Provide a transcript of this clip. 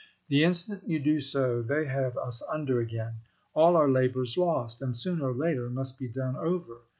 The instant yon do they have us under again : all our labor is lost, and sooner or later must be done over.